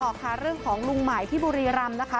ต่อค่ะเรื่องของลุงใหม่ที่บุรีรำนะคะ